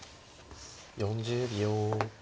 ４０秒。